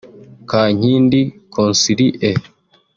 Kankindi Consilie